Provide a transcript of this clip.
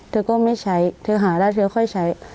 เธอก็ไม่ใช้เธอหาแล้วเธอค่อยใช้